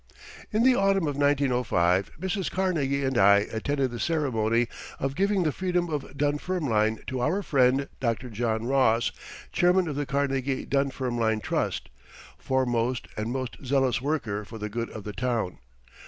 In the autumn of 1905 Mrs. Carnegie and I attended the ceremony of giving the Freedom of Dunfermline to our friend, Dr. John Ross, chairman of the Carnegie Dunfermline Trust, foremost and most zealous worker for the good of the town.